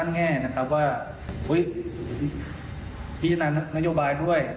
แน่นะครับว่าอุ๊ยมีนายนโยบายด้วย